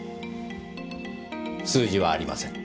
数字はありません。